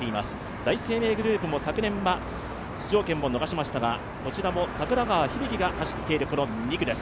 第一生命グループも昨年は出場権を逃しましたがこちらも櫻川響晶が走っている２区です。